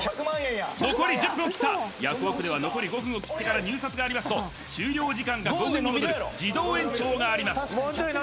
残り１０分を切ったヤフオク！では残り５分を切ってから入札がありますと終了時間が５分延びる自動延長があります